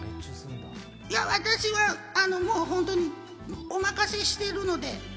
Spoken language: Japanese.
いや私はもう本当に、お任せしているので。